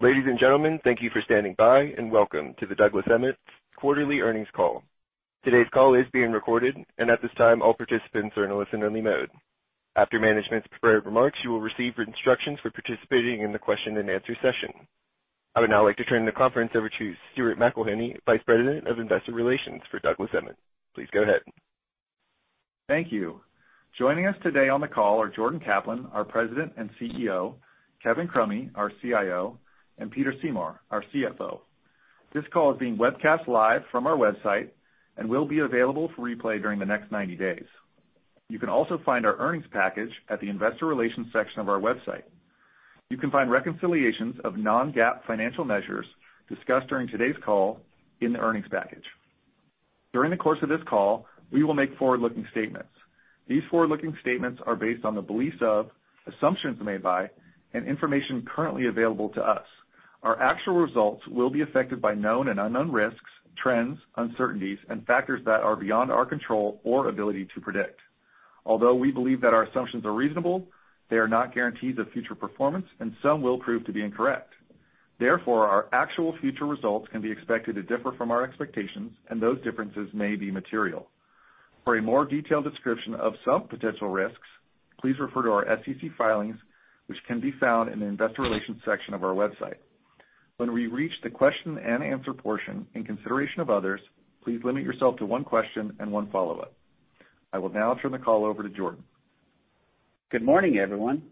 Ladies and gentlemen, thank you for standing by, and Welcome to the Douglas Emmett Quarterly Earnings Call. Today's call is being recorded, and at this time, all participants are in listen-only mode. After management's prepared remarks, you will receive instructions for participating in the question-and-answer session. I would now like to turn the conference over to Stuart McElhinney, Vice President of Investor Relations for Douglas Emmett. Please go ahead. Thank you. Joining us today on the call are Jordan Kaplan, our President and CEO, Kevin Crummy, our CIO, and Peter Seymour, our CFO. This call is being webcast live from our website and will be available for replay during the next 90 days. You can also find our earnings package at the investor relations section of our website. You can find reconciliations of non-GAAP financial measures discussed during today's call in the earnings package. During the course of this call, we will make forward-looking statements. These forward-looking statements are based on the beliefs of, assumptions made by, and information currently available to us. Our actual results will be affected by known and unknown risks, trends, uncertainties, and factors that are beyond our control or ability to predict. Although we believe that our assumptions are reasonable, they are not guarantees of future performance, and some will prove to be incorrect. Therefore, our actual future results can be expected to differ from our expectations, and those differences may be material. For a more detailed description of some potential risks, please refer to our SEC filings, which can be found in the investor relations section of our website. When we reach the question and answer portion, in consideration of others, please limit yourself to one question and one follow-up. I will now turn the call over to Jordan. Good morning, everyone.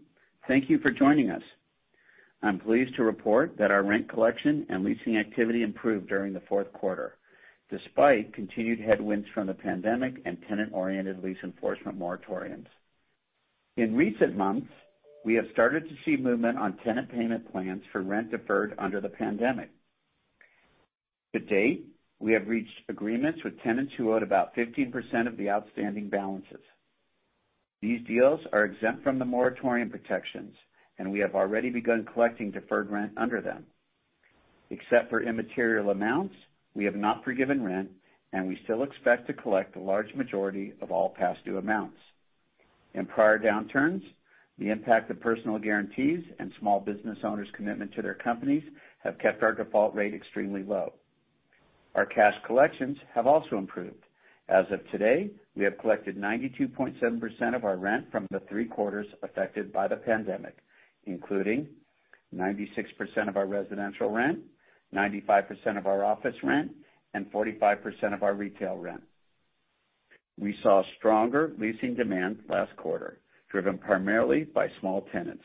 Thank you for joining us. I'm pleased to report that our rent collection and leasing activity improved during the Q4, despite continued headwinds from the pandemic and tenant-oriented lease enforcement moratoriums. In recent months, we have started to see movement on tenant payment plans for rent deferred under the pandemic. To date, we have reached agreements with tenants who owed about 15% of the outstanding balances. These deals are exempt from the moratorium protections, and we have already begun collecting deferred rent under them. Except for immaterial amounts, we have not forgiven rent, and we still expect to collect a large majority of all past due amounts. In prior downturns, the impact of personal guarantees and small business owners' commitment to their companies have kept our default rate extremely low. Our cash collections have also improved. As of today, we have collected 92.7% of our rent from the three quarters affected by the pandemic, including 96% of our residential rent, 95% of our office rent, and 45% of our retail rent. We saw stronger leasing demand last quarter, driven primarily by small tenants.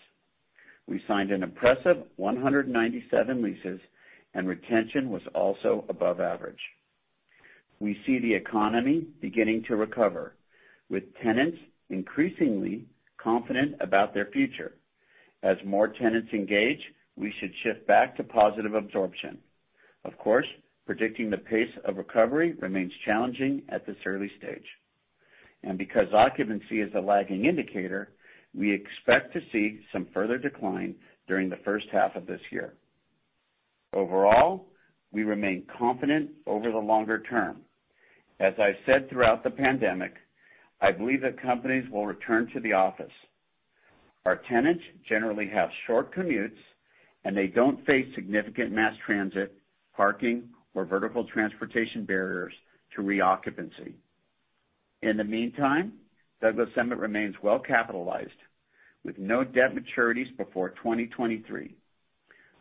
We signed an impressive 197 leases, and retention was also above average. We see the economy beginning to recover, with tenants increasingly confident about their future. As more tenants engage, we should shift back to positive absorption. Of course, predicting the pace of recovery remains challenging at this early stage. Because occupancy is a lagging indicator, we expect to see some further decline during the first half of this year. Overall, we remain confident over the longer term. As I've said throughout the pandemic, I believe that companies will return to the office. Our tenants generally have short commutes, and they don't face significant mass transit, parking, or vertical transportation barriers to reoccupancy. In the meantime, Douglas Emmett remains well capitalized, with no debt maturities before 2023.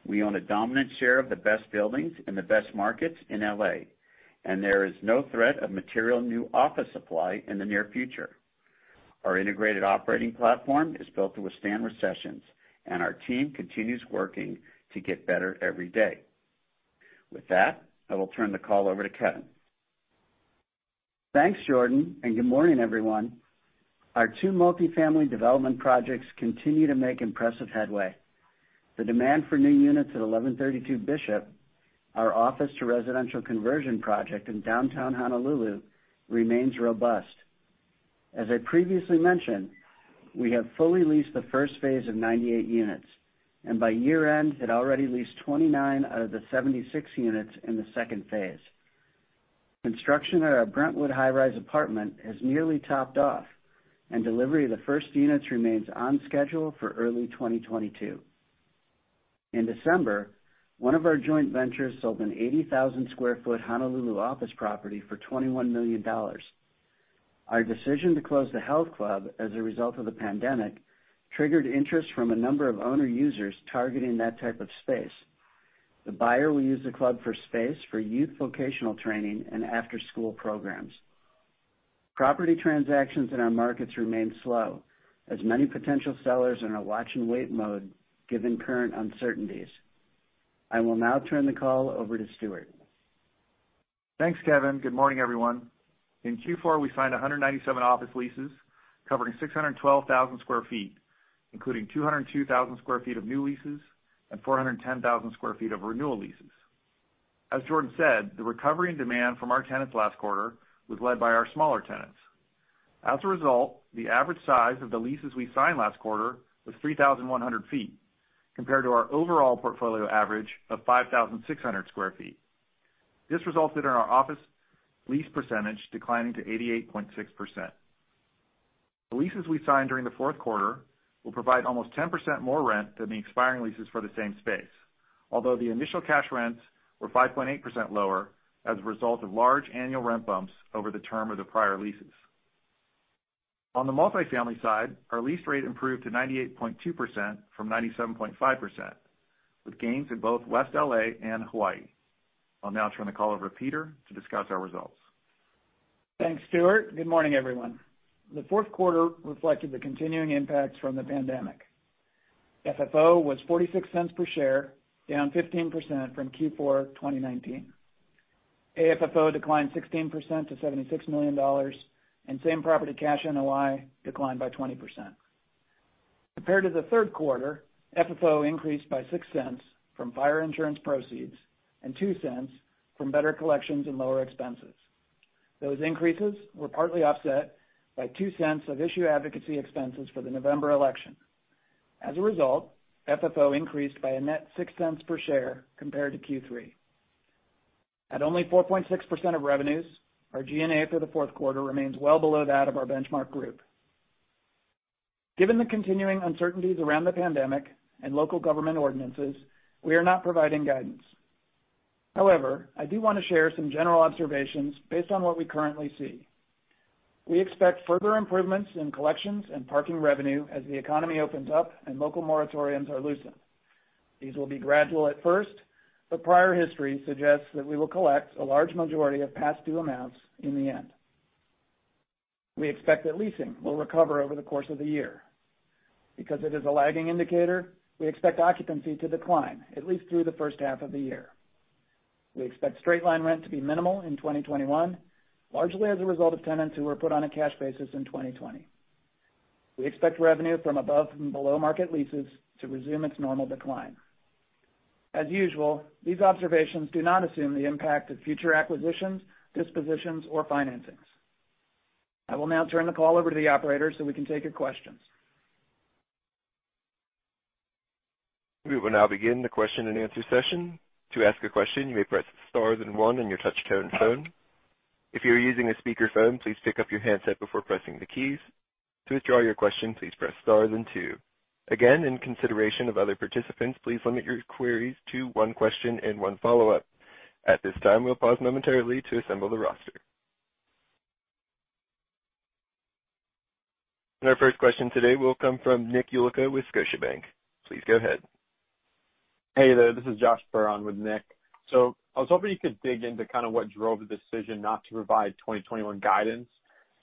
We own a dominant share of the best buildings in the best markets in L.A., and there is no threat of material new office supply in the near future. Our integrated operating platform is built to withstand recessions, and our team continues working to get better every day. With that, I will turn the call over to Kevin. Thanks, Jordan, and good morning, everyone. Our two multi-family development projects continue to make impressive headway. The demand for new units at 1132 Bishop, our office to residential conversion project in downtown Honolulu, remains robust. As I previously mentioned, we have fully leased the first phase of 98 units, and by year-end, had already leased 29 out of the 76 units in the second phase. Construction at our Brentwood high-rise apartment has nearly topped off, and delivery of the first units remains on schedule for early 2022. In December, one of our joint ventures sold an 80,000 sq ft Honolulu office property for $21 million. Our decision to close the health club as a result of the pandemic triggered interest from a number of owner users targeting that type of space. The buyer will use the club for space for youth vocational training and after-school programs. Property transactions in our markets remain slow as many potential sellers are in a watch and wait mode given current uncertainties. I will now turn the call over to Stuart. Thanks, Kevin. Good morning, everyone. In Q4, we signed 197 office leases covering 612,000 sq ft, including 202,000 sq ft of new leases and 410,000 sq ft of renewal leases. As Jordan said, the recovery and demand from our tenants last quarter was led by our smaller tenants. As a result, the average size of the leases we signed last quarter was 3,100 ft, compared to our overall portfolio average of 5,600 sq ft. This resulted in our office lease percentage declining to 88.6%. The leases we signed during the Q4 will provide almost 10% more rent than the expiring leases for the same space. Although the initial cash rents were 5.8% lower as a result of large annual rent bumps over the term of the prior leases. On the multifamily side, our lease rate improved to 98.2% from 97.5%, with gains in both West L.A. and Hawaii. I'll now turn the call over to Peter to discuss our results. Thanks, Stuart. Good morning, everyone. The Q4 reflected the continuing impacts from the pandemic. FFO was $0.46 per share, down 15% from Q4 2019. AFFO declined 16% to $76 million, and same property cash NOI declined by 20%. Compared to the Q3, FFO increased by $0.06 from fire insurance proceeds and $0.02 from better collections and lower expenses. Those increases were partly offset by $0.02 of issue advocacy expenses for the November election. As a result, FFO increased by a net $0.06 per share compared to Q3. At only 4.6% of revenues, our G&A for the Q4 remains well below that of our benchmark group. Given the continuing uncertainties around the pandemic and local government ordinances, we are not providing guidance. However, I do want to share some general observations based on what we currently see. We expect further improvements in collections and parking revenue as the economy opens up and local moratoriums are loosened. These will be gradual at first, but prior history suggests that we will collect a large majority of past due amounts in the end. We expect that leasing will recover over the course of the year. Because it is a lagging indicator, we expect occupancy to decline at least through the first half of the year. We expect straight-line rent to be minimal in 2021, largely as a result of tenants who were put on a cash basis in 2020. We expect revenue from above and below market leases to resume its normal decline. As usual, these observations do not assume the impact of future acquisitions, dispositions, or financings. I will now turn the call over to the operator so we can take your questions. We will now begin the question-and-answer session. To ask a question, you may press star then one on your touch-tone phone. If you're using a speakerphone, please pick up your handset before pressing the keys. To withdraw your question, please press star then two. Again, in consideration of other participants, please limit your queries to one question and one follow-up. At this time, we'll pause momentarily to assemble the roster. Our first question today will come from Nick Yulico with Scotiabank. Please go ahead. Hey there, this is Josh Burr with Nick. I was hoping you could dig into kind of what drove the decision not to provide 2021 guidance,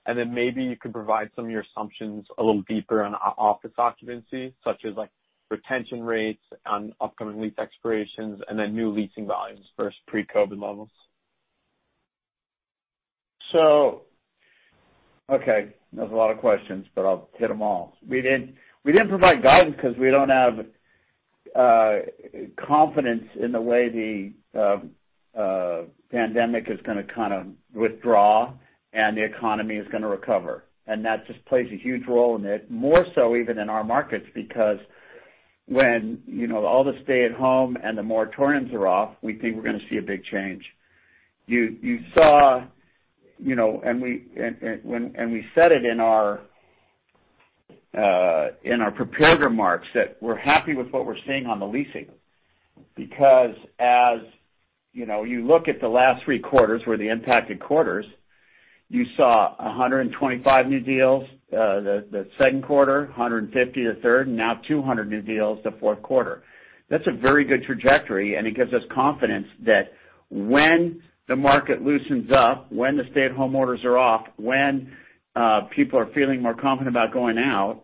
and then maybe you could provide some of your assumptions a little deeper on office occupancy, such as like retention rates on upcoming lease expirations and then new leasing volumes versus pre-COVID levels. Okay. That's a lot of questions, but I'll hit them all. We didn't provide guidance because we don't have confidence in the way the pandemic is going to kind of withdraw and the economy is going to recover. That just plays a huge role in it, more so even in our markets, because when all the stay-at-home and the moratoriums are off, we think we're going to see a big change. You saw, and we said it in our prepared remarks, that we're happy with what we're seeing on the leasing because as you look at the last three quarters were the impacted quarters, you saw 125 new deals the Q2, 150 the Q3, and now 200 new deals the Q4. That's a very good trajectory, and it gives us confidence that when the market loosens up, when the stay-at-home orders are off, when people are feeling more confident about going out,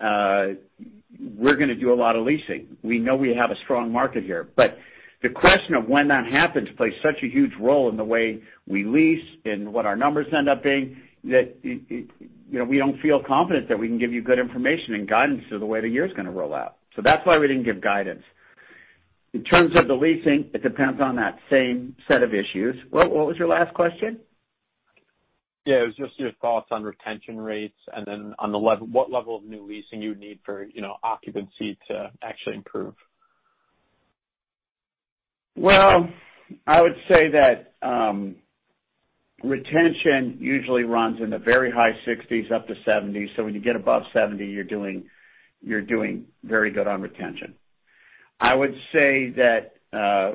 we're going to do a lot of leasing. We know we have a strong market here. The question of when that happens plays such a huge role in the way we lease and what our numbers end up being, that we don't feel confident that we can give you good information and guidance to the way the year is going to roll out. That's why we didn't give guidance. In terms of the leasing, it depends on that same set of issues. What was your last question? Yeah, it was just your thoughts on retention rates and then what level of new leasing you would need for occupancy to actually improve. Well, I would say that retention usually runs in the very high 60s up to 70. When you get above 70, you're doing very good on retention. I would say that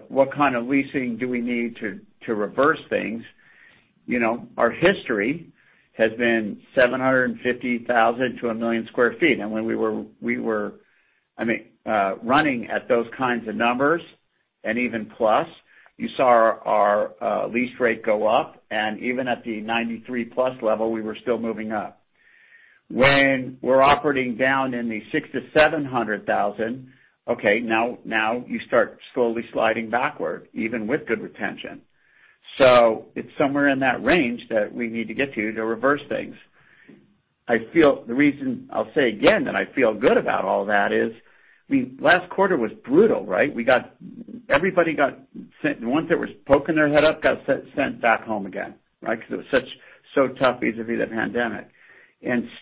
what kind of leasing do we need to reverse things? Our history has been 750,000-1 million sq ft. When we were running at those kinds of numbers and even plus, you saw our lease rate go up, and even at the 93+ level, we were still moving up. When we're operating down in the 600,000-700,000 sq ft, okay, now you start slowly sliding backward, even with good retention. It's somewhere in that range that we need to get to reverse things. The reason I'll say again that I feel good about all that is, last quarter was brutal. The ones that were poking their head up got sent back home again. Because it was so tough because of the pandemic.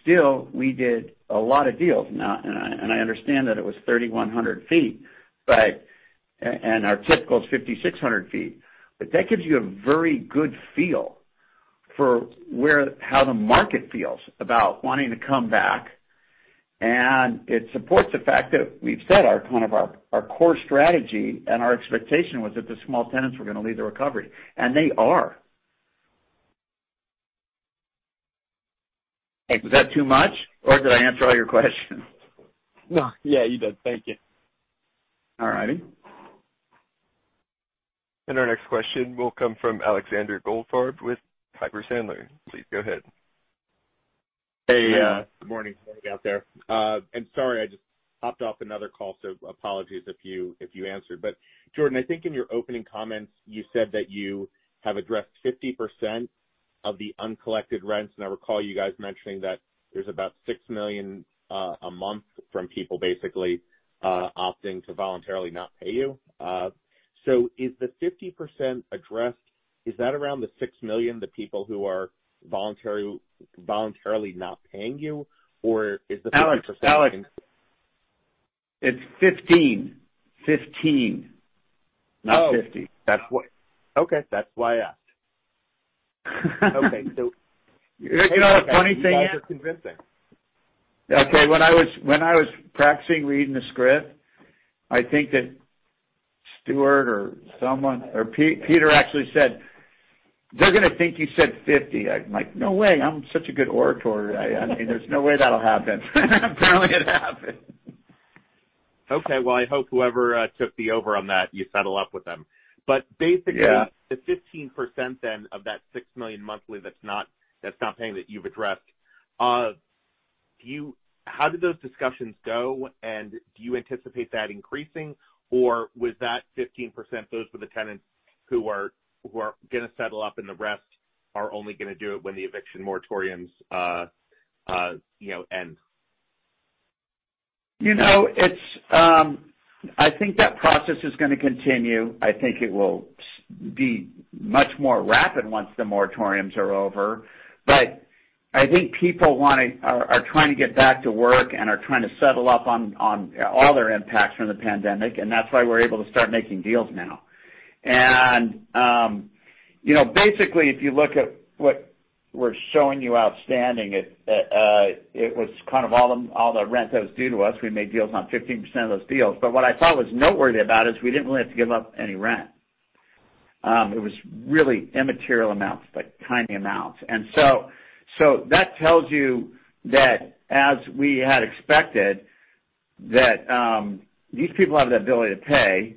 Still, we did a lot of deals. I understand that it was 3,100 ft, but our typical is 5,600 ft. That gives you a very good feel for how the market feels about wanting to come back. It supports the fact that we've said our kind of our core strategy and our expectation was that the small tenants were going to lead the recovery, and they are. Was that too much, or did I answer all your questions? No. Yeah, you did. Thank you. All righty. Our next question will come from Alexander Goldfarb with Piper Sandler. Please go ahead. Hey, good morning out there. Sorry, I just hopped off another call, so apologies if you answered. Jordan, I think in your opening comments, you said that you have addressed 50% of the uncollected rents. I recall you guys mentioning that there's about $6 million a month from people basically opting to voluntarily not pay you. Is the 50% addressed, is that around the $6 million, the people who are voluntarily not paying you? Alex. It's 15%. Not 50%. Oh, okay. That's why I asked. You want to know the funny thing is? Okay. When I was practicing reading the script, I think that Stuart or someone, or Peter actually said, "They're gonna think you said 50%." I'm like, "No way. I'm such a good orator. There's no way that'll happen." Apparently it happened. Okay. Well, I hope whoever took the over on that, you settle up with them. Yeah The 15% of that $6 million monthly that's not paying that you've addressed, how did those discussions go? Do you anticipate that increasing, or was that 15%, those were the tenants who are going to settle up and the rest are only going to do it when the eviction moratoriums end? I think that process is going to continue. I think it will be much more rapid once the moratoriums are over. I think people are trying to get back to work and are trying to settle up on all their impacts from the pandemic, and that's why we're able to start making deals now. Basically, if you look at what we're showing you outstanding, it was kind of all the rent that was due to us. We made deals on 15% of those deals. What I thought was noteworthy about it is we didn't really have to give up any rent. It was really immaterial amounts, like tiny amounts. That tells you that as we had expected, that these people have the ability to pay,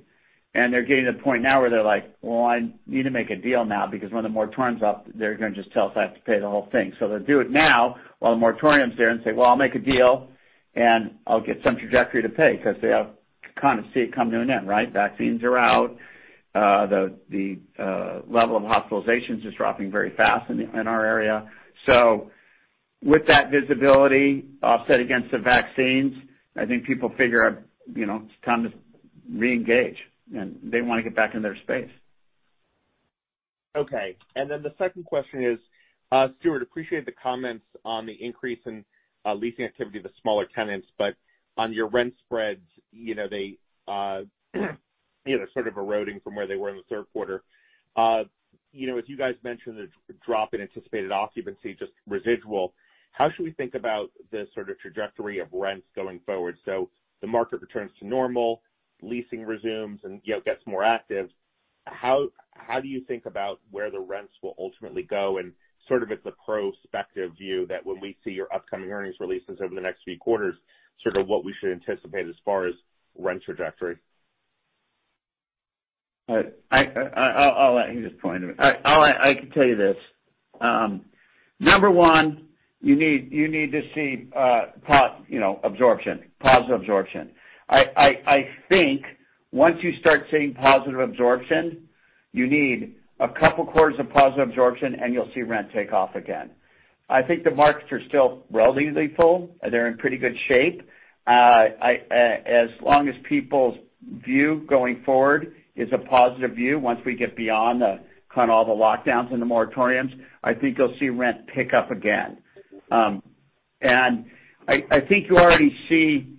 and they're getting to the point now where they're like, "Well, I need to make a deal now because when the moratorium's up, they're going to just tell us I have to pay the whole thing." They'll do it now while the moratorium's there and say, "Well, I'll make a deal and I'll get some trajectory to pay," because they kind of see it coming to an end, right? Vaccines are out. The level of hospitalizations is dropping very fast in our area. With that visibility offset against the vaccines, I think people figure it's time to reengage, and they want to get back in their space. Okay. The second question is, Stuart, appreciate the comments on the increase in leasing activity of the smaller tenants, but on your rent spreads, they're sort of eroding from where they were in the Q3. As you guys mentioned, the drop in anticipated occupancy, just residual, how should we think about the sort of trajectory of rents going forward? The market returns to normal, leasing resumes, and it gets more active. How do you think about where the rents will ultimately go and sort of as a prospective view that when we see your upcoming earnings releases over the next few quarters, sort of what we should anticipate as far as rent trajectory? He just pointed me. I can tell you this. Number one, you need to see positive absorption. I think once you start seeing positive absorption, you need a couple quarters of positive absorption, and you'll see rent take off again. I think the markets are still relatively full. They're in pretty good shape. As long as people's view going forward is a positive view, once we get beyond kind of all the lockdowns and the moratoriums, I think you'll see rent pick up again. I think you already see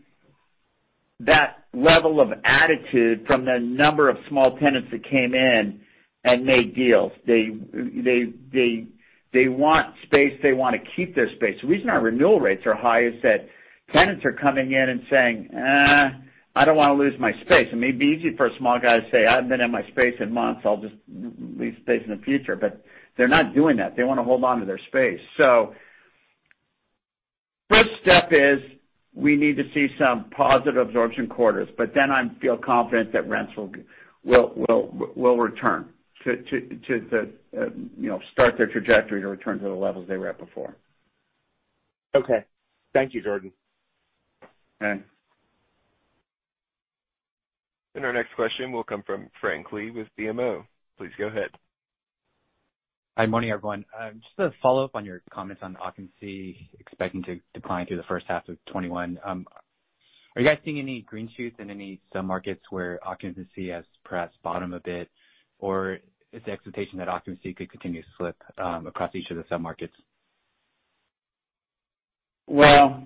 that level of attitude from the number of small tenants that came in and made deals. They want space. They want to keep their space. The reason our renewal rates are high is that tenants are coming in and saying, "I don't want to lose my space." It may be easy for a small guy to say, "I haven't been in my space in months. I'll just lease space in the future." They're not doing that. They want to hold onto their space. First step is we need to see some positive absorption quarters, but then I feel confident that rents will return to start their trajectory to return to the levels they were at before. Okay. Thank you, Jordan. Our next question will come from Frank Lee with BMO. Please go ahead. Hi. Morning, everyone. Just a follow-up on your comments on occupancy expecting to decline through the first half of 2021. Are you guys seeing any green shoots in any sub-markets where occupancy has perhaps bottomed a bit, or is the expectation that occupancy could continue to slip across each of the sub-markets? Well,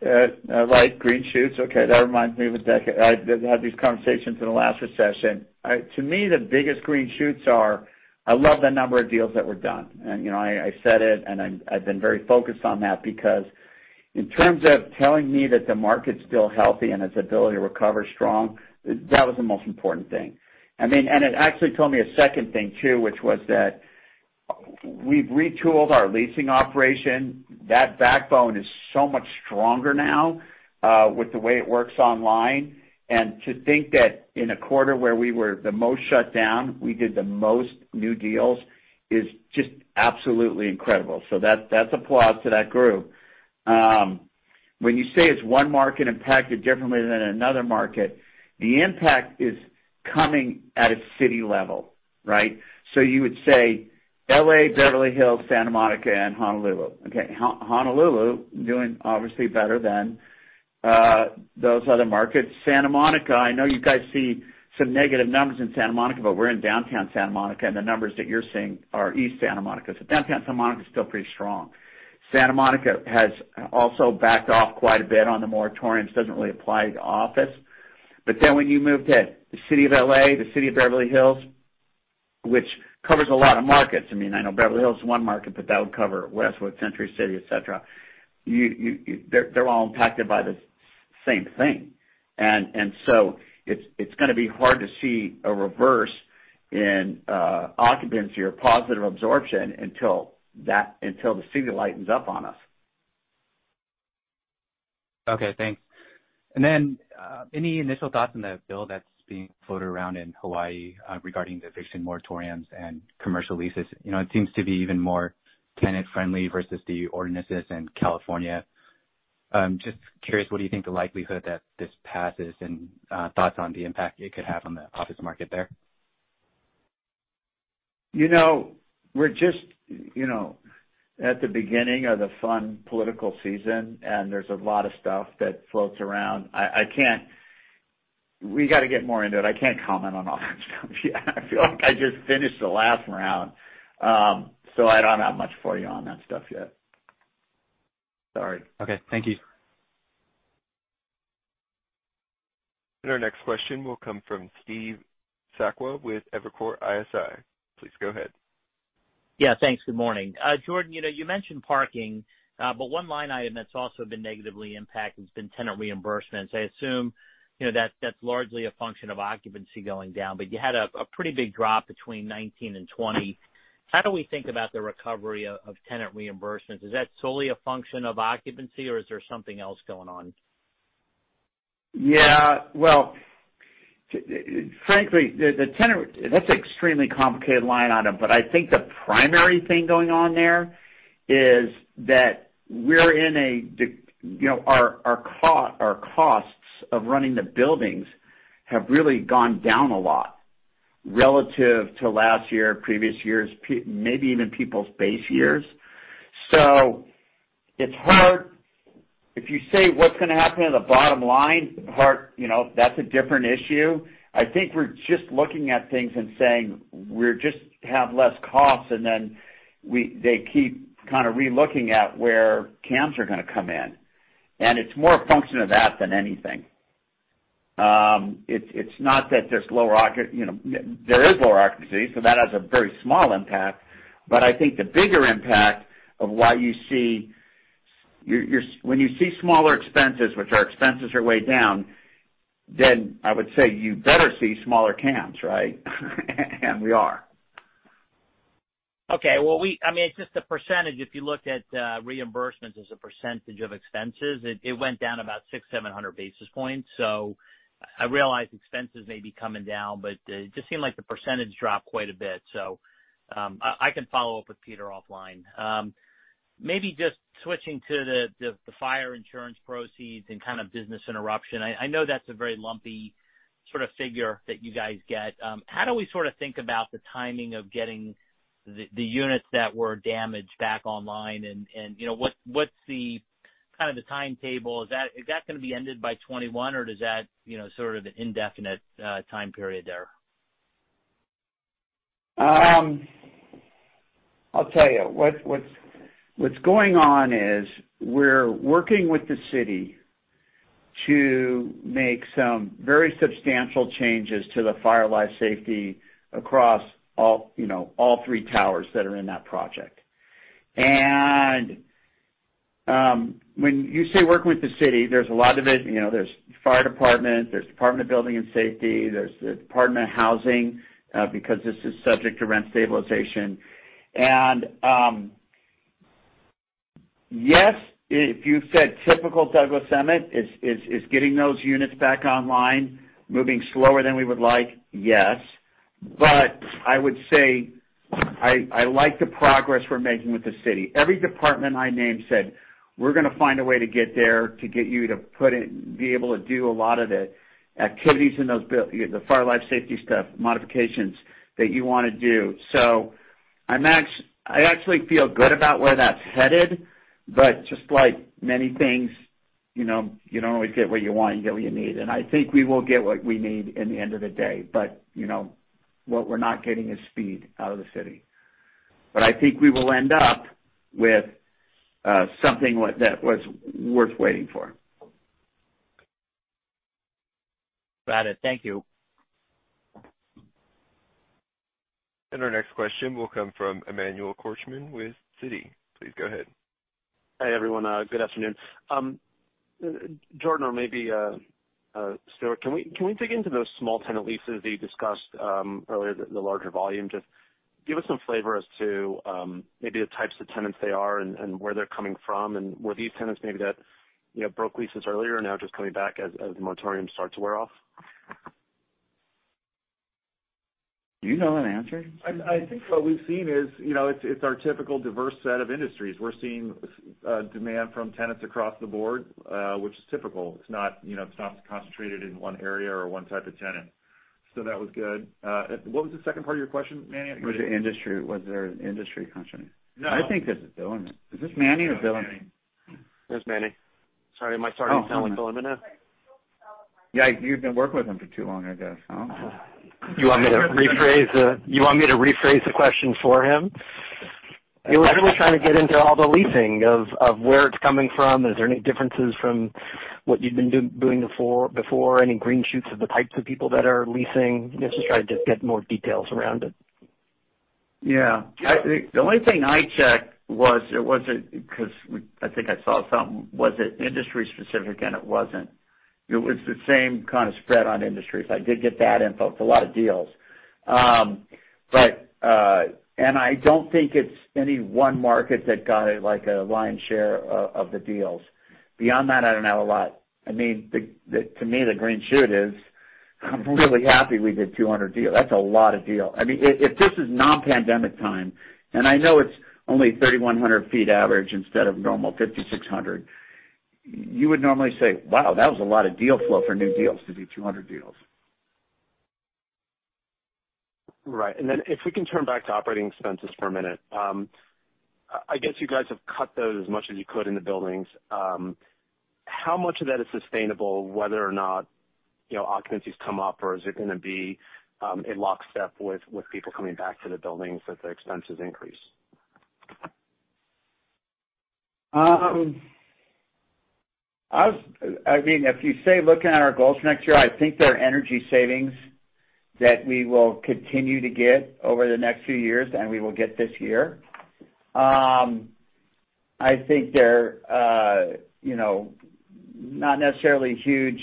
right. Green shoots. Okay. That reminds me of a decade. I had these conversations in the last recession. To me, the biggest green shoots are, I love the number of deals that were done. I said it, and I've been very focused on that because in terms of telling me that the market's still healthy and its ability to recover strong, that was the most important thing. It actually told me a second thing too, which was that we've retooled our leasing operation. That backbone is so much stronger now, with the way it works online. To think that in a quarter where we were the most shut down, we did the most new deals, is just absolutely incredible. That's applause to that group. When you say it's one market impacted differently than another market, the impact is coming at a city level. Right? You would say L.A., Beverly Hills, Santa Monica, and Honolulu. Okay. Honolulu doing obviously better than those other markets. Santa Monica, I know you guys see some negative numbers in Santa Monica, but we're in downtown Santa Monica, and the numbers that you're seeing are East Santa Monica. Downtown Santa Monica is still pretty strong. Santa Monica has also backed off quite a bit on the moratoriums. Doesn't really apply to office. When you move to the City of L.A., the City of Beverly Hills, which covers a lot of markets, I mean, I know Beverly Hills is one market, but that would cover Westwood, Century City, et cetera. They're all impacted by the same thing. It's going to be hard to see a reverse in occupancy or positive absorption until the city lightens up on us. Okay, thanks. Any initial thoughts on the bill that's being floated around in Hawaii, regarding the eviction moratoriums and commercial leases? It seems to be even more tenant-friendly versus the ordinances in California. Just curious, what do you think the likelihood that this passes, and thoughts on the impact it could have on the office market there? We're just at the beginning of the fun political season, and there's a lot of stuff that floats around. We got to get more into it. I can't comment on all that stuff yet. I feel like I just finished the last round. I don't have much for you on that stuff yet. Sorry. Okay. Thank you. Our next question will come from Steve Sakwa with Evercore ISI. Please go ahead. Yeah, thanks. Good morning. Jordan, you mentioned parking, but one line item that's also been negatively impacted has been tenant reimbursements. I assume that's largely a function of occupancy going down, but you had a pretty big drop between 2019 and 2020. How do we think about the recovery of tenant reimbursements? Is that solely a function of occupancy or is there something else going on? Yeah. Well, frankly, that's an extremely complicated line item, but I think the primary thing going on there is that our costs of running the buildings have really gone down a lot relative to last year, previous years, maybe even people's base years. It's hard. If you say what's going to happen in the bottom line part, that's a different issue. I think we're just looking at things and saying, we just have less costs, and then they keep kind of re-looking at where CAMs are going to come in. It's more a function of that than anything. There is lower occupancy, so that has a very small impact. I think the bigger impact of when you see smaller expenses, which our expenses are way down, then I would say you better see smaller CAMs, right? We are. Okay. Well, it's just the percentage. If you looked at reimbursements as a percentage of expenses, it went down about 600, 700 basis points. I realize expenses may be coming down, but it just seemed like the percentage dropped quite a bit. I can follow-up with Peter offline. Maybe just switching to the fire insurance proceeds and kind of business interruption. I know that's a very lumpy sort of figure that you guys get. How do we sort of think about the timing of getting the units that were damaged back online, and what's the kind of the timetable? Is that going to be ended by 2021, or is that sort of an indefinite time period there? I'll tell you. What's going on is we're working with the city to make some very substantial changes to the fire life safety across all three towers that are in that project. When you say work with the city, there's a lot of it. There's fire department, there's Department of Building and Safety, there's the Department of Housing, because this is subject to rent stabilization. Yes, if you said typical Douglas Emmett, is getting those units back online moving slower than we would like? Yes. I would say, I like the progress we're making with the city. Every department I named said, "We're going to find a way to get there, to get you to be able to do a lot of the activities in those buildings, the fire life safety stuff, modifications that you want to do." I actually feel good about where that's headed, but just like many things, you don't always get what you want, you get what you need. I think we will get what we need in the end of the day. What we're not getting is speed out of the city. I think we will end up with something that was worth waiting for. Got it. Thank you. Our next question will come from Emmanuel Korchman with Citi. Please go ahead. Hi, everyone. Good afternoon. Jordan, or maybe Stuart, can we dig into those small tenant leases that you discussed earlier, the larger volume? Just give us some flavor as to maybe the types of tenants they are and where they're coming from, and were these tenants maybe that broke leases earlier and now just coming back as the moratoriums start to wear off? Do you know an answer? I think what we've seen is, it's our typical diverse set of industries. We're seeing demand from tenants across the board, which is typical. It's not concentrated in one area or one type of tenant. That was good. What was the second part of your question, Manny? It was the industry. Was there an industry concentration? No. I think this is Dylan. Is this Manny or Dylan? It's Manny. Sorry, am I starting to sound like Dylan now? Yeah, you've been working with him for too long, I guess. You want me to rephrase the question for him? He was really trying to get into all the leasing, of where it's coming from. Is there any differences from what you'd been doing before? Any green shoots of the types of people that are leasing? Just trying to get more details around it. Yeah. The only thing I checked was, it wasn't Because I think I saw something, was it industry specific, and it wasn't. It was the same kind of spread on industries. I did get that info. It's a lot of deals. I don't think it's any one market that got a lion's share of the deals. Beyond that, I don't have a lot. To me, the green shoot is I'm really happy we did 200 deals. That's a lot of deals. If this is non-pandemic time, and I know it's only 3,100 ft average instead of normal 5,600 ft, you would normally say, "Wow, that was a lot of deal flow for new deals to do 200 deals." Right. If we can turn back to operating expenses for a minute. I guess you guys have cut those as much as you could in the buildings. How much of that is sustainable, whether or not occupancies come up, or is it going to be in lockstep with people coming back to the buildings that the expenses increase? If you say looking at our goals for next year, I think there are energy savings that we will continue to get over the next few years and we will get this year. I think they're not necessarily huge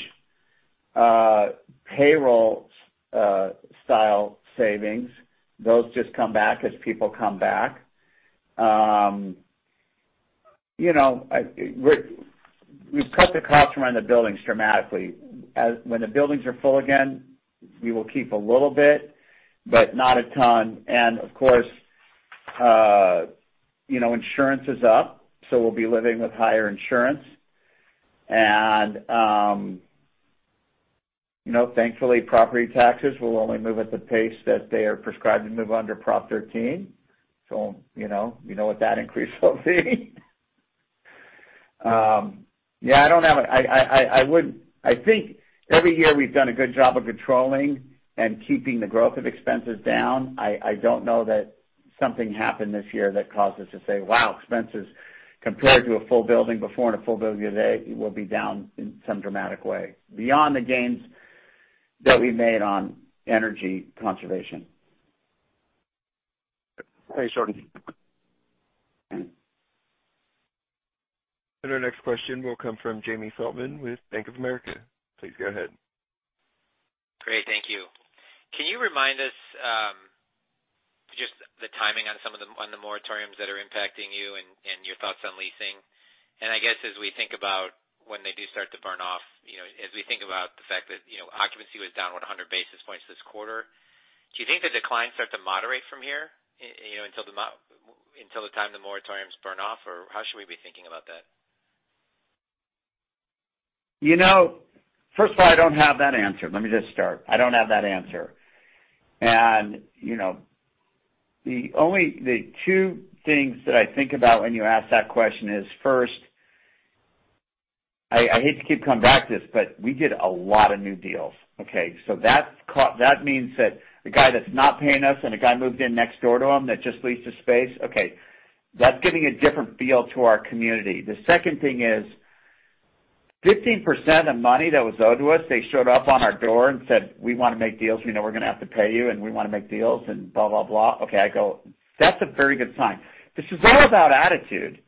payroll style savings. Those just come back as people come back. We've cut the cost around the buildings dramatically. When the buildings are full again, we will keep a little bit, but not a ton. Of course, insurance is up, so we'll be living with higher insurance. Thankfully, property taxes will only move at the pace that they are prescribed to move under Prop 13, so we know what that increase will be. I think every year we've done a good job of controlling and keeping the growth of expenses down. I don't know that something happened this year that caused us to say, "Wow, expenses compared to a full building before and a full building today will be down in some dramatic way." Beyond the gains that we made on energy conservation. Thanks, Jordan. Our next question will come from Jamie Feldman with Bank of America. Please go ahead. Great. Thank you. Can you remind us just the timing on some of the moratoriums that are impacting you and your thoughts on leasing? I guess as we think about when they do start to burn off, as we think about the fact that occupancy was down 100 basis points this quarter, do you think the decline starts to moderate from here until the time the moratoriums burn off? How should we be thinking about that? First of all, I don't have that answer. Let me just start. I don't have that answer. The two things that I think about when you ask that question is, first, I hate to keep coming back to this, but we did a lot of new deals, okay? That means that the guy that's not paying us and a guy moved in next door to him that just leased a space, okay, that's giving a different feel to our community. The second thing is 15% of money that was owed to us, they showed up on our door and said, "We want to make deals. We know we're going to have to pay you, and we want to make deals," and blah, blah. Okay, I go, that's a very good sign. This is all about attitude.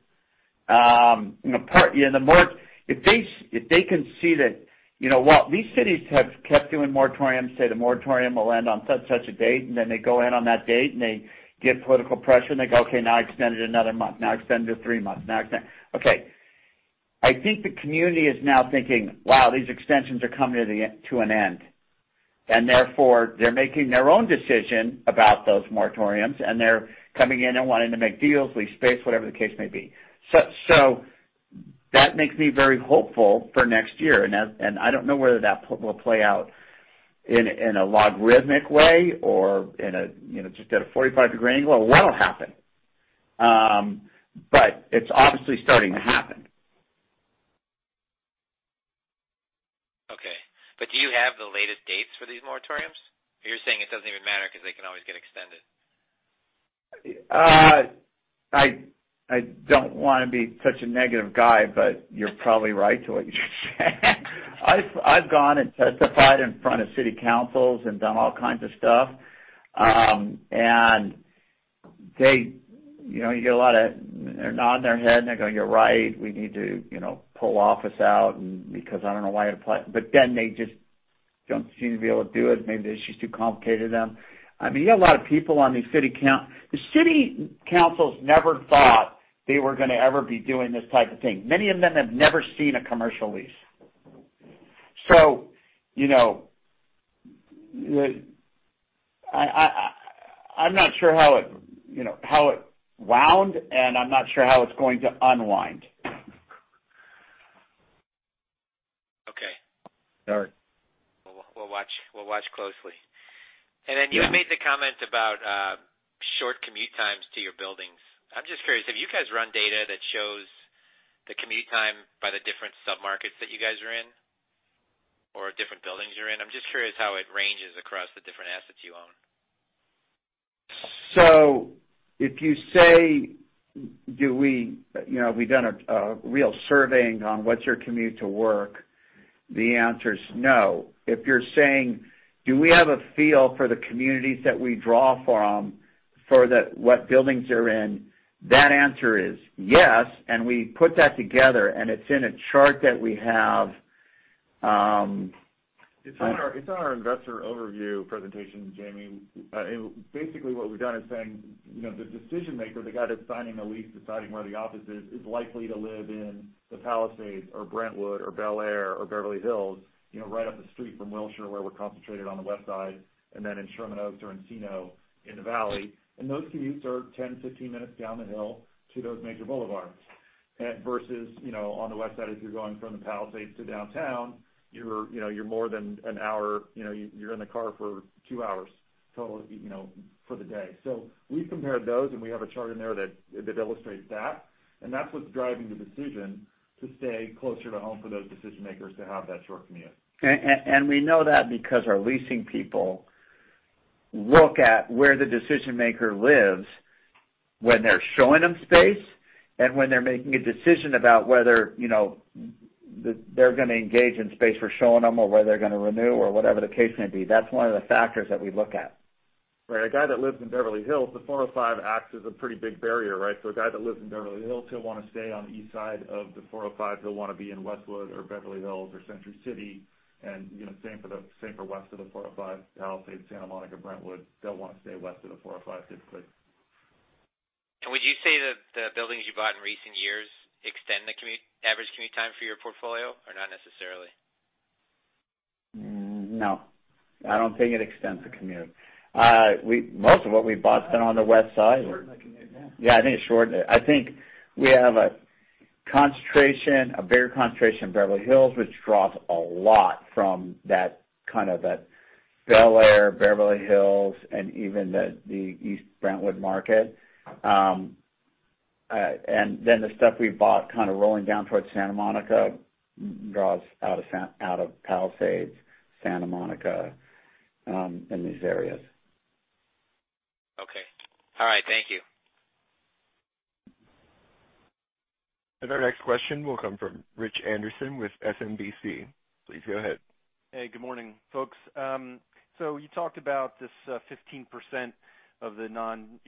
If they can see that these cities have kept doing moratoriums, say the moratorium will end on such and such a date, and then they go in on that date, and they get political pressure, and they go, "Okay, now extend it another month. Now extend it three months." Okay. I think the community is now thinking, wow, these extensions are coming to an end, and therefore, they're making their own decision about those moratoriums, and they're coming in and wanting to make deals, lease space, whatever the case may be. That makes me very hopeful for next year, and I don't know whether that will play out in a logarithmic way or just at a 45-degree angle, or what'll happen. It's obviously starting to happen. Okay. Do you have the latest dates for these moratoriums? You're saying it doesn't even matter because they can always get extended. I don't want to be such a negative guy, but you're probably right to what you're saying. I've gone and testified in front of city councils and done all kinds of stuff. They're nodding their head and they're going, "You're right. We need to pull office out," because I don't know why it applied. They just don't seem to be able to do it. Maybe the issue's too complicated to them. You get a lot of people on these city council. The city councils never thought they were going to ever be doing this type of thing. Many of them have never seen a commercial lease. I'm not sure how it wound, and I'm not sure how it's going to unwind. Okay. We'll watch closely. You made the comment about short commute times to your buildings. I'm just curious, have you guys run data that shows the commute time by the different sub-markets that you guys are in, or different buildings you're in? I'm just curious how it ranges across the different assets you own. If you say, have we done a real surveying on what's your commute to work, the answer's no. If you're saying, do we have a feel for the communities that we draw from for what buildings they're in, that answer is yes, and we put that together, and it's in a chart that we have. It's on our investor overview presentation, Jamie. Basically what we've done is saying, the decision-maker, the guy that's signing the lease, deciding where the office is likely to live in the Palisades or Brentwood or Bel Air or Beverly Hills, right up the street from Wilshire, where we're concentrated on the Westside, and then in Sherman Oaks or Encino in the Valley. Those commutes are 10, 15 minutes down the hill to those major boulevards. Versus, on the Westside, if you're going from the Palisades to downtown, you're more than an hour, you're in the car for two hours total for the day. We've compared those, and we have a chart in there that illustrates that, and that's what's driving the decision to stay closer to home for those decision-makers to have that short commute. We know that because our leasing people look at where the decision-maker lives when they're showing them space and when they're making a decision about whether they're going to engage in space we're showing them or whether they're going to renew or whatever the case may be. That's one of the factors that we look at. Right. A guy that lives in Beverly Hills, the 405 acts as a pretty big barrier, right? A guy that lives in Beverly Hills, he'll want to stay on the east side of the 405. He'll want to be in Westwood or Beverly Hills or Century City, and same for west of the 405, Palisades, Santa Monica, Brentwood. They'll want to stay west of the 405, typically. Would you say that the buildings you bought in recent years extend the average commute time for your portfolio, or not necessarily? No. I don't think it extends the commute. Most of what we've bought's been on the Westside. [inaudible] Yeah, I think it shortened it. I think we have a bigger concentration in Beverly Hills, which draws a lot from that kind of that Bel Air, Beverly Hills, and even the East Brentwood market. The stuff we've bought kind of rolling down towards Santa Monica draws out of Palisades, Santa Monica, in these areas. Okay. All right, thank you. Our next question will come from Rich Anderson with SMBC. Please go ahead. Hey, good morning, folks. You talked about this 15% of the non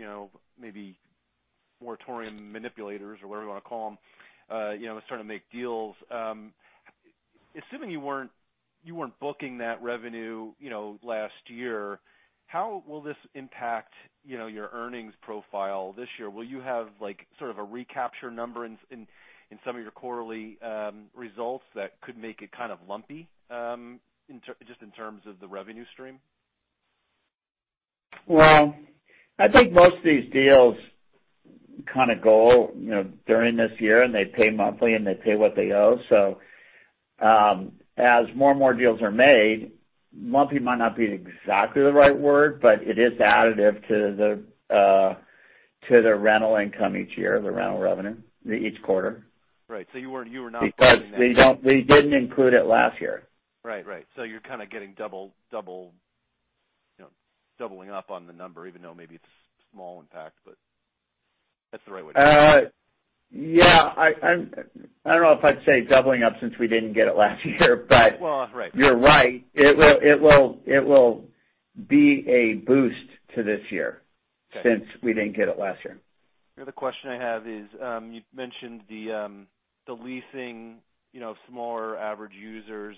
maybe moratorium manipulators or whatever you want to call them, starting to make deals. Assuming you weren't booking that revenue last year, how will this impact your earnings profile this year? Will you have sort of a recapture number in some of your quarterly results that could make it kind of lumpy, just in terms of the revenue stream? Well, I think most of these deals kind of go during this year, and they pay monthly, and they pay what they owe. As more and more deals are made, lumpy might not be exactly the right word, but it is additive to the rental income each year, the rental revenue, each quarter. Right. you were not We didn't include it last year. Right. You're kind of getting doubling up on the number, even though maybe it's a small impact, but that's the right way to think of it. Yeah. I don't know if I'd say doubling up since we didn't get it last year. Well, right. You're right. It will be a boost to this year since we didn't get it last year. The other question I have is, you'd mentioned the leasing smaller average users.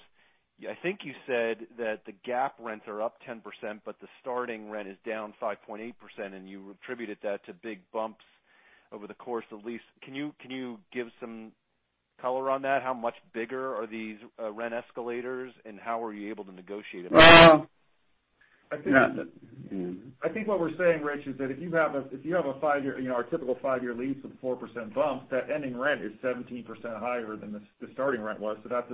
I think you said that the GAAP rents are up 10%, but the starting rent is down 5.8%, and you attributed that to big bumps over the course of the lease. Can you give some color on that? How much bigger are these rent escalators, and how were you able to negotiate them down? Yeah. I think what we're saying, Rich, is that if you have our typical five-year lease with a 4% bump, that ending rent is 17% higher than the starting rent was. That's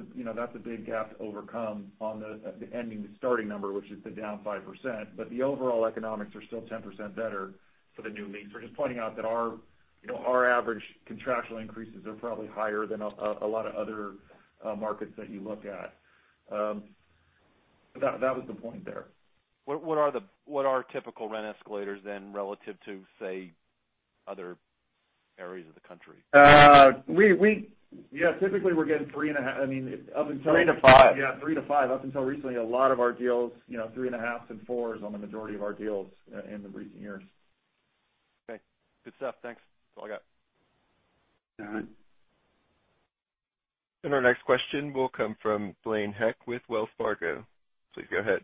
a big gap to overcome on the ending starting number, which is the down 5%. The overall economics are still 10% better for the new lease. We're just pointing out that our average contractual increases are probably higher than a lot of other markets that you look at. That was the point there. What are typical rent escalators then relative to, say, other areas of the country? Yeah, typically we're getting 3.5, I mean Yeah, three to five. Up until recently, a lot of our deals, 3.5s and fours on the majority of our deals in the recent years. Okay. Good stuff. Thanks. That's all I got. All right. Our next question will come from Blaine Heck with Wells Fargo. Please go ahead.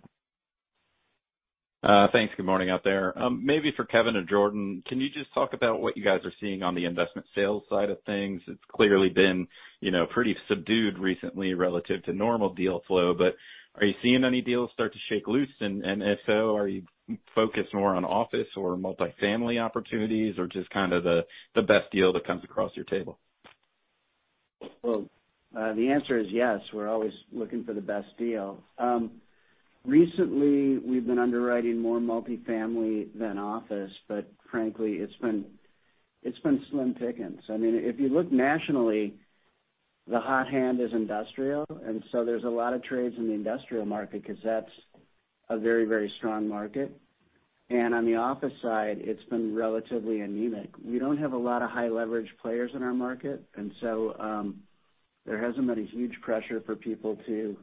Thanks. Good morning out there. Maybe for Kevin and Jordan, can you just talk about what you guys are seeing on the investment sales side of things? It's clearly been pretty subdued recently relative to normal deal flow, but are you seeing any deals start to shake loose? If so, are you focused more on office or multi-family opportunities, or just kind of the best deal that comes across your table? The answer is yes. We're always looking for the best deal. Recently, we've been underwriting more multifamily than office, but frankly, it's been slim pickings. I mean, if you look nationally, the hot hand is industrial, there's a lot of trades in the industrial market because that's a very strong market. On the office side, it's been relatively anemic. We don't have a lot of high-leverage players in our market, there hasn't been a huge pressure for people to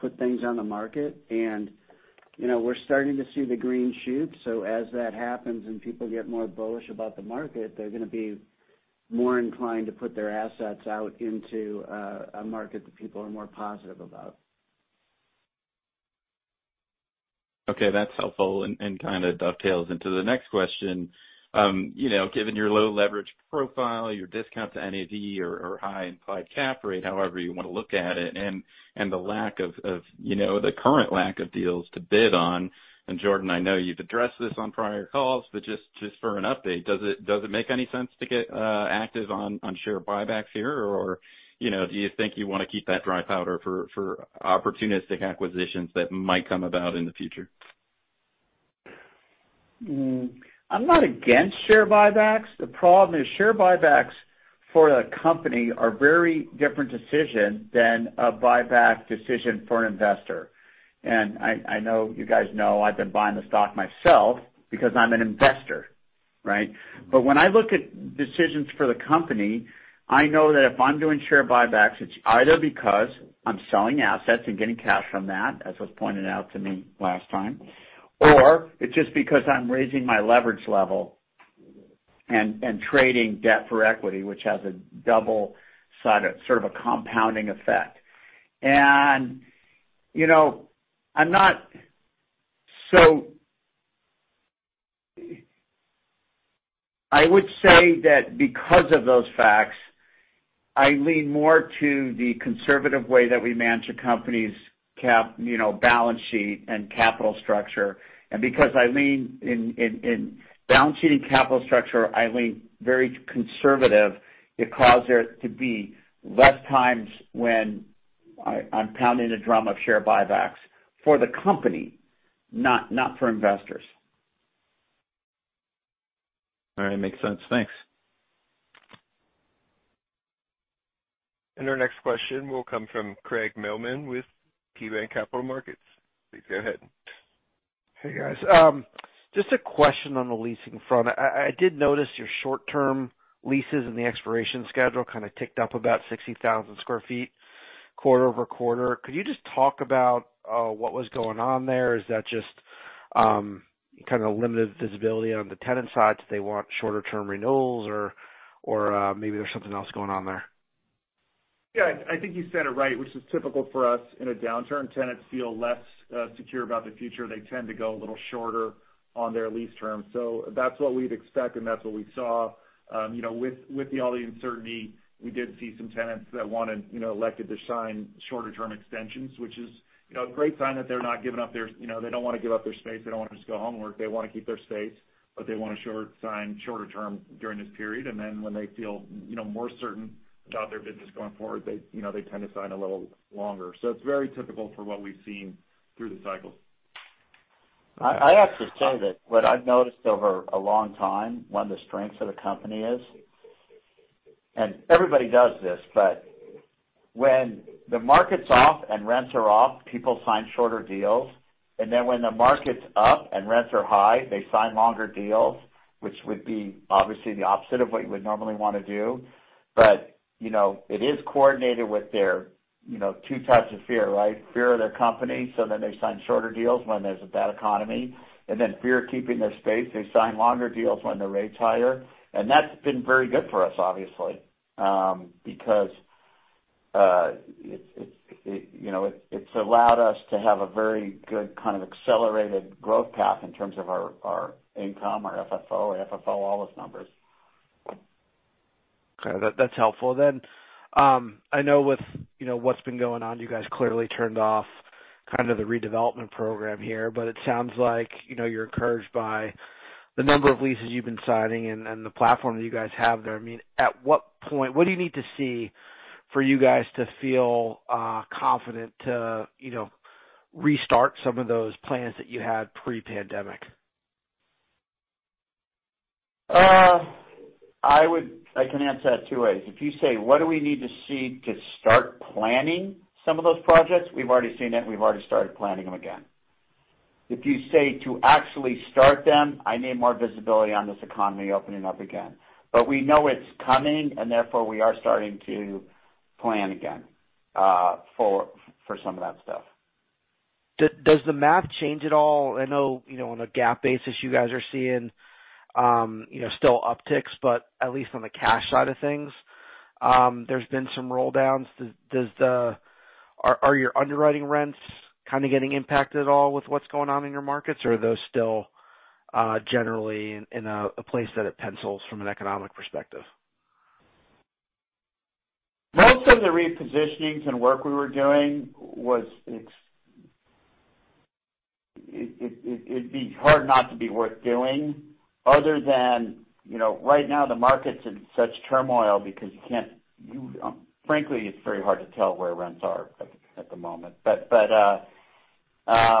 put things on the market and we're starting to see the green shoots. As that happens and people get more bullish about the market, they're gonna be more inclined to put their assets out into a market that people are more positive about. Okay, that's helpful and kind of dovetails into the next question. Given your low leverage profile, your discount to NAV or high implied cap rate, however you want to look at it, and the current lack of deals to bid on, and Jordan, I know you've addressed this on prior calls, but just for an update, does it make any sense to get active on share buybacks here? Do you think you want to keep that dry powder for opportunistic acquisitions that might come about in the future? I'm not against share buybacks. The problem is share buybacks for the company are very different decision than a buyback decision for an investor. I know you guys know I've been buying the stock myself because I'm an investor, right. When I look at decisions for the company, I know that if I'm doing share buybacks, it's either because I'm selling assets and getting cash from that, as was pointed out to me last time, or it's just because I'm raising my leverage level and trading debt for equity, which has a double side, sort of a compounding effect. I would say that because of those facts, I lean more to the conservative way that we manage a company's balance sheet and capital structure. Because I lean in balance sheet and capital structure, I lean very conservative, it causes there to be less times when I'm pounding the drum of share buybacks for the company, not for investors. All right. Makes sense. Thanks. Our next question will come from Craig Mailman with KeyBanc Capital Markets. Please go ahead. Hey, guys. Just a question on the leasing front. I did notice your short-term leases and the expiration schedule kind of ticked up about 60,000 sq ft quarter-over-quarter. Could you just talk about what was going on there? Is that just kind of limited visibility on the tenant side? Do they want shorter term renewals or maybe there's something else going on there? Yeah, I think you said it right, which is typical for us in a downturn. Tenants feel less secure about the future. They tend to go a little shorter on their lease terms. That's what we'd expect, and that's what we saw. With all the uncertainty, we did see some tenants that elected to sign shorter term extensions, which is a great sign that they're not giving up their space. They don't want to just go home work. They want to keep their space, but they want to sign shorter term during this period. When they feel more certain about their business going forward, they tend to sign a little longer. It's very typical for what we've seen through the cycle. I have to say that what I've noticed over a long time, one of the strengths of the company is, everybody does this, when the market's off and rents are off, people sign shorter deals. When the market's up and rents are high, they sign longer deals, which would be obviously the opposite of what you would normally want to do. It is coordinated with their two types of fear, right? Fear of their company, they sign shorter deals when there's a bad economy. Fear of keeping their space, they sign longer deals when the rate's higher. That's been very good for us, obviously. Because it's allowed us to have a very good kind of accelerated growth path in terms of our income, our FFO, all those numbers. Okay. That's helpful. I know with what's been going on, you guys clearly turned off kind of the redevelopment program here, but it sounds like you're encouraged by the number of leases you've been signing and the platform that you guys have there. I mean, what do you need to see for you guys to feel confident to restart some of those plans that you had pre-pandemic? I can answer that two ways. If you say, what do we need to see to start planning some of those projects, we've already seen it and we've already started planning them again. If you say to actually start them, I need more visibility on this economy opening up again. We know it's coming, and therefore, we are starting to plan again for some of that stuff. Does the math change at all? I know on a GAAP basis, you guys are seeing still upticks, but at least on the cash side of things, there's been some roll downs. Are your underwriting rents kind of getting impacted at all with what's going on in your markets, or are those still generally in a place that it pencils from an economic perspective? Most of the repositionings and work we were doing, it'd be hard not to be worth doing other than right now the market's in such turmoil because, frankly, it's very hard to tell where rents are at the moment. I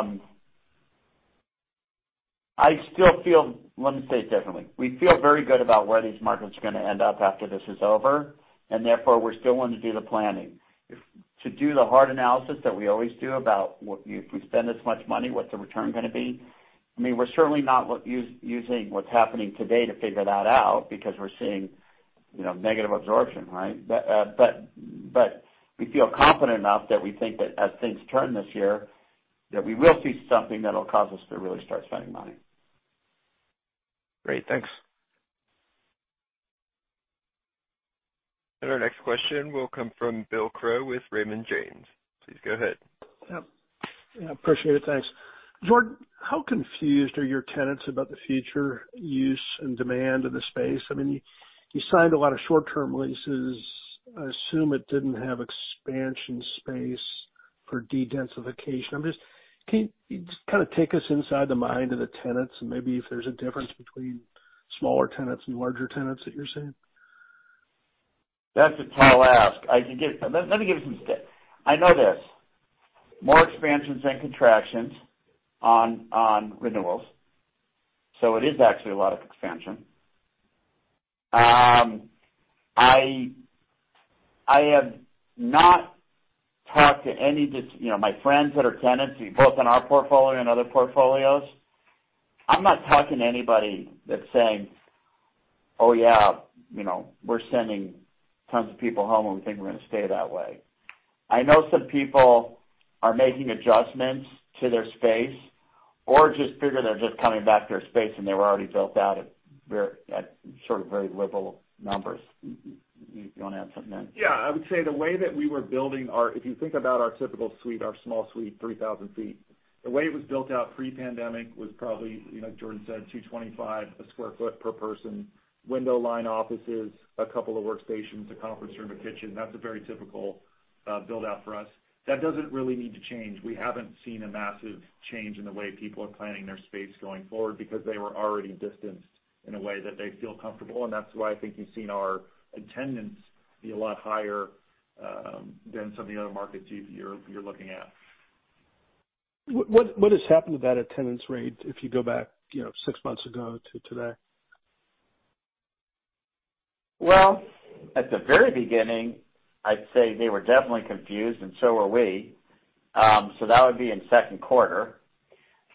still feel. Let me say it differently. We feel very good about where these markets are going to end up after this is over, and therefore we still want to do the planning. To do the hard analysis that we always do about if we spend this much money, what's the return going to be? We're certainly not using what's happening today to figure that out because we're seeing negative absorption, right? We feel confident enough that we think that as things turn this year, that we will see something that'll cause us to really start spending money. Great. Thanks. Our next question will come from Bill Crow with Raymond James. Please go ahead. Yep. Appreciate it. Thanks. Jordan, how confused are your tenants about the future use and demand of the space? You signed a lot of short-term leases. I assume it didn't have expansion space for de-densification. Can you just kind of take us inside the mind of the tenants and maybe if there's a difference between smaller tenants and larger tenants that you're seeing? That's a tall ask. Let me give you some I know this. More expansions than contractions on renewals. It is actually a lot of expansion. I have not talked to any of my friends that are tenants, both on our portfolio and other portfolios. I'm not talking to anybody that's saying, "Oh, yeah, we're sending tons of people home, and we think we're going to stay that way." I know some people are making adjustments to their space or just figure they're just coming back to their space, and they were already built out at sort of very liberal numbers. You want to add something to that? Yeah. I would say the way that we were building our If you think about our typical suite, our small suite, 3,000 ft, the way it was built out pre-pandemic was probably, like Jordan said, 225 sq ft per person, window line offices, a couple of workstations, a conference room, a kitchen. That's a very typical build-out for us. That doesn't really need to change. We haven't seen a massive change in the way people are planning their space going forward because they were already distanced in a way that they feel comfortable. That's why I think you've seen our attendance be a lot higher than some of the other markets you're looking at. What has happened to that attendance rate if you go back six months ago to today? At the very beginning, I'd say they were definitely confused, and so were we. That would be in Q2.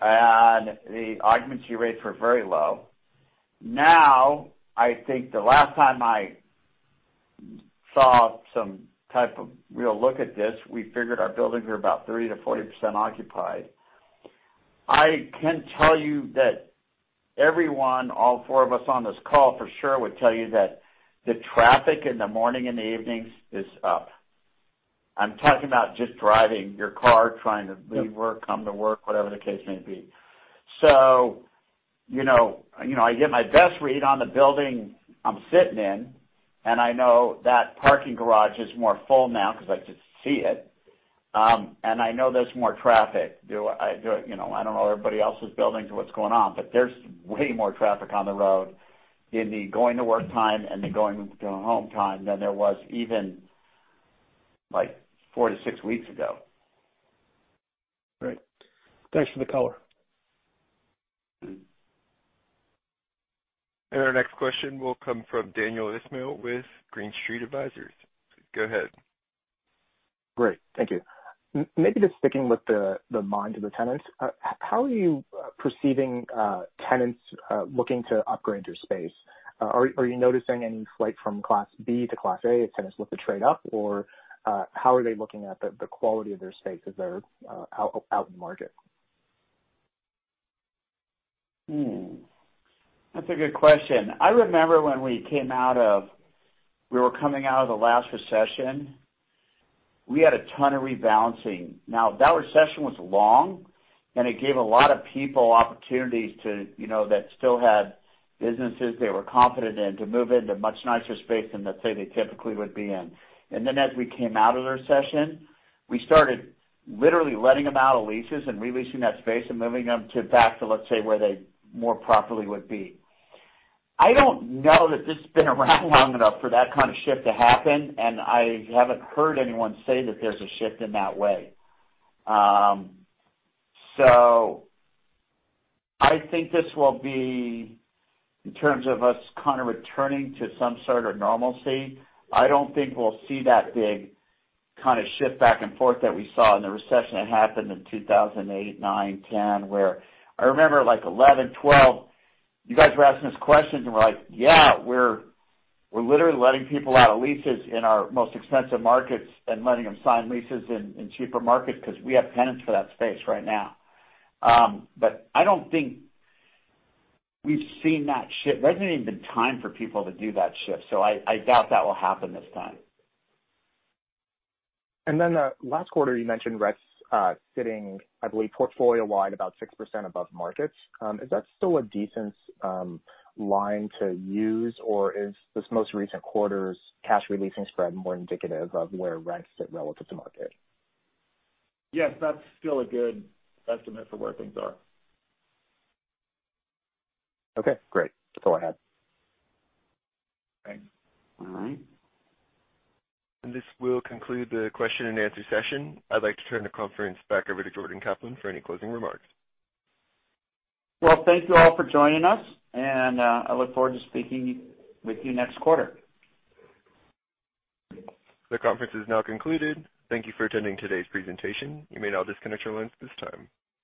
The occupancy rates were very low. I think the last time I saw some type of real look at this, we figured our buildings were about 30%-40% occupied. I can tell you that everyone, all four of us on this call for sure, would tell you that the traffic in the morning and the evenings is up. I'm talking about just driving your car, trying to leave work, come to work, whatever the case may be. I get my best read on the building I'm sitting in, and I know that parking garage is more full now because I just see it. I know there's more traffic. I don't know everybody else's buildings or what's going on, but there's way more traffic on the road in the going to work time and the going home time than there was even four to six weeks ago. Great. Thanks for the color. Our next question will come from Daniel Ismail with Green Street Advisors. Go ahead. Great. Thank you. Maybe just sticking with the mind of the tenants, how are you perceiving tenants looking to upgrade your space? Are you noticing any flight from Class B to Class A as tenants look to trade up? How are they looking at the quality of their space as they're out in the market? That's a good question. I remember when we were coming out of the last recession, we had a ton of rebalancing. That recession was long, and it gave a lot of people opportunities that still had businesses they were confident in to move into much nicer space than, let's say, they typically would be in. Then as we came out of the recession, we started literally letting them out of leases and re-leasing that space and moving them back to, let's say, where they more properly would be. I don't know that this has been around long enough for that kind of shift to happen, and I haven't heard anyone say that there's a shift in that way. I think this will be in terms of us kind of returning to some sort of normalcy. I don't think we'll see that big kind of shift back and forth that we saw in the recession that happened in 2008, 2009, 2010, where I remember 2011, 2012, you guys were asking us questions. We're like, "Yeah, we're literally letting people out of leases in our most expensive markets and letting them sign leases in cheaper markets because we have tenants for that space right now." I don't think we've seen that shift. There hasn't even been time for people to do that shift. I doubt that will happen this time. Last quarter, you mentioned rents sitting, I believe, portfolio-wide, about 6% above markets. Is that still a decent line to use, or is this most recent quarter's cash re-leasing spread more indicative of where rents sit relative to market? Yes, that's still a good estimate for where things are. Okay, great. That's all I had. Thanks. All right. This will conclude the question-and-answer session. I'd like to turn the conference back over to Jordan Kaplan for any closing remarks. Well, thank you all for joining us, and I look forward to speaking with you next quarter. The conference is now concluded. Thank you for attending today's presentation. You may now disconnect your lines at this time.